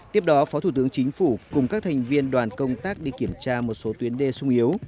tiếp đó phó thủ tướng chính phủ cùng các thành viên đoàn công tác đi kiểm tra một số tuyến đê sung yếu